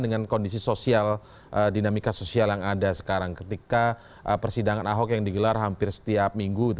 dengan kondisi sosial dinamika sosial yang ada sekarang ketika persidangan ahok yang digelar hampir setiap minggu